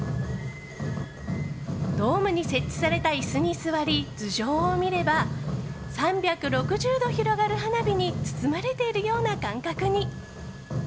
ドームに設置された椅子に座り頭上を見れば３６０度広がる花火に包まれているような感覚に。